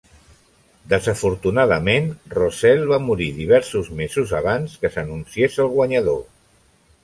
Desafortunadament, Roselle va morir diversos mesos abans que s'anunciés el guanyador.